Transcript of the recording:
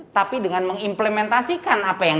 tapi dengan mengimplementasikan apa yang